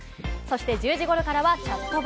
１０時頃からは「チャットバ」。